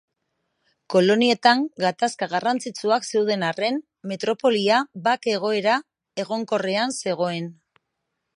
Kolonietan gatazka garrantzitsuak zeuden arren, metropolia bake egoera egonkorrean zegoen.